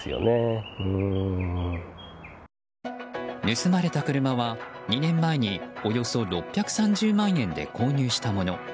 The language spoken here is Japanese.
盗まれた車は、２年前におよそ６３０万円で購入したもの。